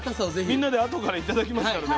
みんなであとから頂きますからね。